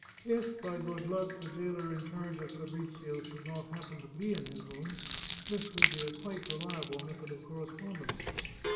If, by good luck, the jailer in charge of Fabrizio should not happen to be in his room, this would be a quite reliable method of correspondence.